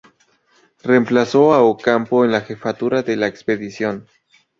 Reemplazó a Ocampo en la jefatura de la expedición.